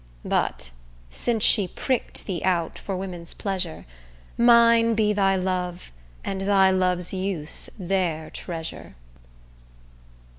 But since she prick'd thee out for women's pleasure, Mine be thy love and thy love's use their treasure.